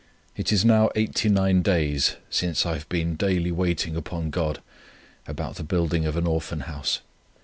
It is now 89 days since I have been daily waiting upon God about the building of an Orphan House.